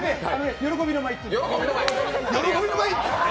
喜びの舞！